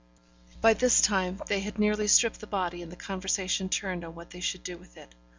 By this time, they had nearly stripped the body; and the conversation turned on what they should do with it.